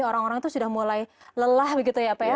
orang orang itu sudah mulai lelah begitu ya pak ya